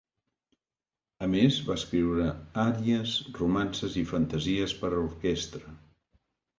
A més, va escriure àries, romances i fantasies per a orquestra.